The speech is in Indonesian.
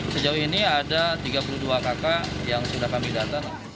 sejauh ini ada tiga puluh dua kakak yang sudah kami datang